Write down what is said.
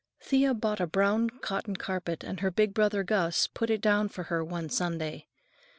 Thea bought a brown cotton carpet, and her big brother, Gus, put it down for her one Sunday.